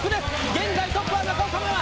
現在トップは中岡ママ！